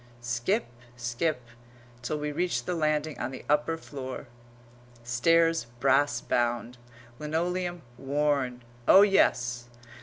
Skip, skip, till we reach the landing on the upper floor; stairs brass bound; linoleum worn; oh, yes!